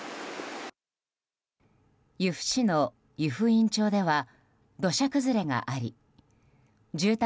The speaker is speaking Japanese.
由布市の湯布院町では土砂崩れがあり住宅